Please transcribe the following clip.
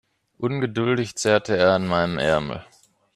Ungeduldig zerrte er an meinem Ärmel.